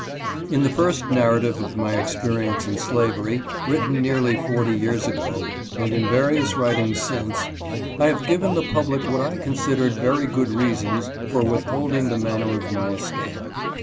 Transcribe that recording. IN the first narrative of my experience in slavery, writ ten nearly forty years ago, and in various writings since, I have given the public what I considered very good reasons for withholding the manner of my escape.